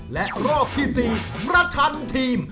และรอบที่๔ประชันทีม